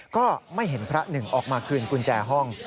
ก็ไม่เห็นพระหนึ่งออกมาคืนกุญแจห้อง